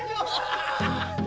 ハハハハ！